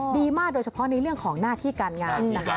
ดีมากโดยเฉพาะในเรื่องของหน้าที่การงานนะคะ